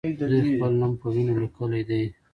دوی خپل نوم په وینو لیکلی دی.